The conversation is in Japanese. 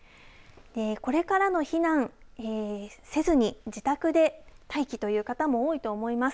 これから避難せずに自宅で待機という方も多いと思います。